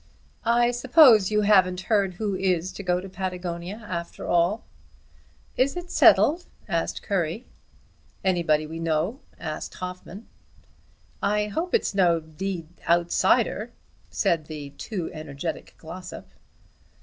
"I suppose you haven't heard who is to go to Patagonia after all?" "Is it settled?" asked Currie. "Anybody we know?" asked Hoffmann. "I hope it's no d outsider," said the too energetic Glossop.